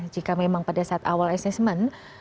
jika memang pada saat awal assessment